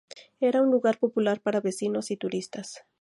Era un lugar popular para vecinos y turistas.